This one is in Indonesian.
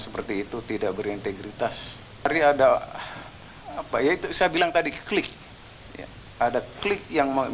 seperti itu tidak berintegritas hari ada apa yaitu saya bilang tadi klik ada klik yang mau